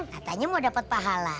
katanya mau dapat pahala